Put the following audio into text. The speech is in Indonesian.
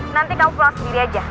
nanti kamu pulang sendiri aja